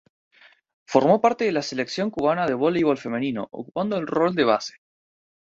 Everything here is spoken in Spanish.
Formó parte de la Selección Cubana de Voleibol Femenino ocupando el rol de base.